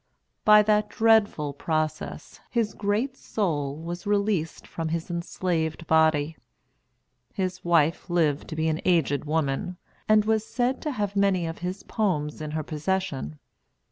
By that dreadful process his great soul was released from his enslaved body. His wife lived to be an aged woman, and was said to have many of his poems in her possession.